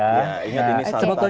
sebetulnya santan juga berbeda ya